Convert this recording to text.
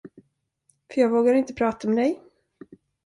För jag vågar inte prata med dig.